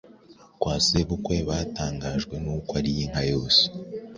kwa sebukwe batangajwe n’uko ariye inka yose,